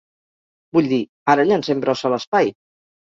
Vull dir, ara llancem brossa a l'espai.